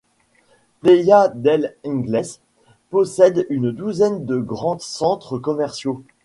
Playa del Inglés possède une douzaine de grands centres commerciaux.